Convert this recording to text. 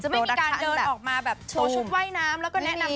จะไม่มีการเดินออกมาโตชุดว่ายน้ำแล้วก็แนะนำตัวเอง